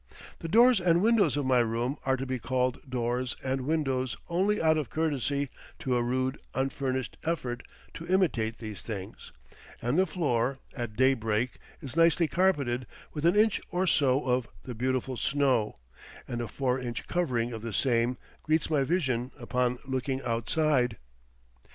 The doors and windows of my room are to be called doors and windows only out of courtesy to a rude, unfinished effort to imitate these things, and the floor, at daybreak, is nicely carpeted with an inch or so of "the beautiful snow," and a four inch covering of the same greets my vision upon looking outside.